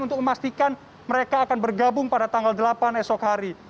untuk memastikan mereka akan bergabung pada tanggal delapan esok hari